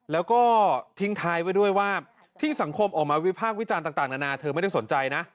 แล้วก็ทิ้งท้ายไว้ด้วยว่าที่สังคมออกมาวิพากษ์วิจารณ์ต่างนานาเธอไม่ได้สนใจนะ